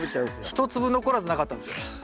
一粒残らずなかったんですよ。